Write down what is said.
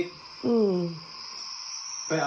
ออกไป